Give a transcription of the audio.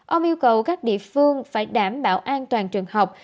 ông yêu cầu các địa phương phải đảm bảo an toàn trường học